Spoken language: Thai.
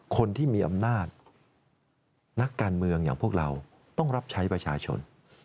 คนที่มีอำนาจนักการเมืองอย่างพวกเราต้องรับใช้ประชาชน